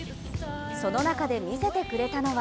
その中で見せてくれたのは